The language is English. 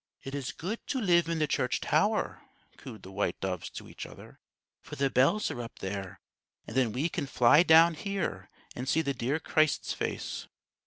"It is good to live in the church tower," cooed the white doves to each other, "for the bells are up there; and then we can fly down here and see the dear Christ's face.